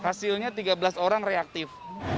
hasilnya tiga belas orang reaktif